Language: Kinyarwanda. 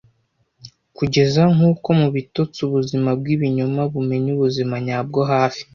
Kugeza, nkuko mubitotsi ubuzima bwibinyoma bumenya ubuzima nyabwo hafi,